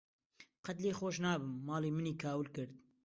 قەت لێی خۆش نابم، ماڵی منی کاول کرد.